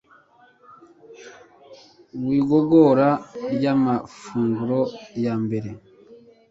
wigogora ryamafunguro ya mbere